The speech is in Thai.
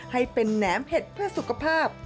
ให้เป็นแหนมเห็ดเพื่อสุขภาพ